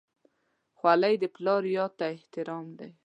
خولۍ د پلار یاد ته احترام دی.